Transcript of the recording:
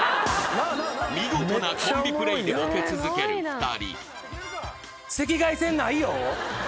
［見事なコンビプレーでボケ続ける２人］